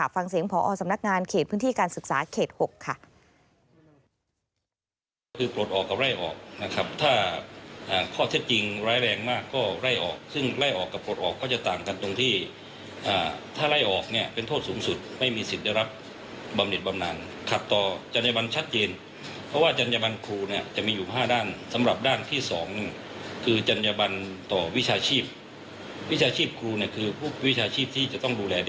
ฟังเสียงพอสำนักงานเขตพื้นที่การศึกษาเขต๖ค่ะ